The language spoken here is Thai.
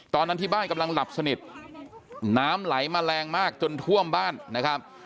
ตอนนั้นที่บ้านกำลังหลับสนิทน้ำไหลมาแรงมากจนท่วมบ้านนะครับ